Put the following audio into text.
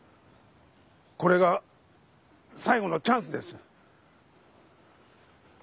これが最後のチャンスです。